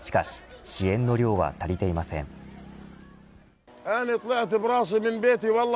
しかし支援の量は足りていません。